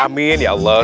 amin ya allah